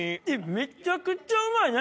めちゃくちゃうまい何？